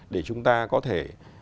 để chúng ta có thể